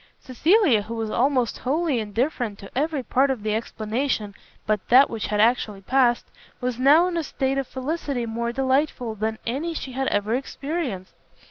Cecilia, who was almost wholly indifferent to every part of the explanation but that which had actually passed, was now in a state of felicity more delightful than any she had ever experienced.